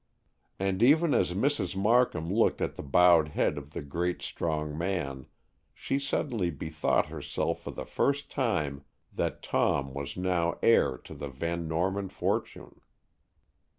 And even as Mrs. Markham looked at the bowed head of the great strong man she suddenly bethought herself for the first time that Tom was now heir to the Van Norman fortune.